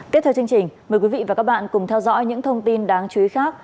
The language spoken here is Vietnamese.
tiếp theo chương trình mời quý vị và các bạn cùng theo dõi những thông tin đáng chú ý khác